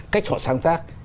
cách họ sáng tác